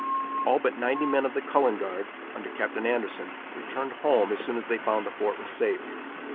All but ninety men of the Cullen Guard, under Captain Anderson, returned home as soon as they found the fort was safe.